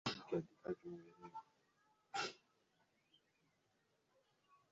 Naomba unikumbuke.